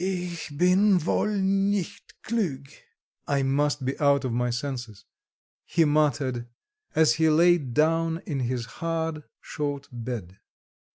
"Ich bin wohl nicht klug" (I must be out of my senses), he muttered, as he lay down in his hard short bed.